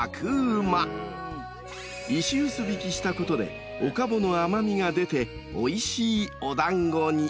［石臼びきしたことでおかぼの甘味が出ておいしいお団子に］